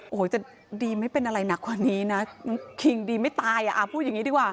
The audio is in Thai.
โอ้โหจะดีไม่เป็นอะไรหนักกว่านี้นะคิงดีไม่ตายอ่ะพูดอย่างนี้ดีกว่า